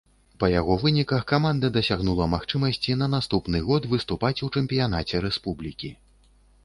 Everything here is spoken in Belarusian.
Па яго выніках каманда дасягнула магчымасці на наступны год выступаць у чэмпіянаце рэспублікі.